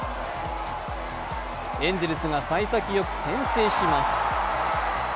エンゼルスがさい先よく先制します。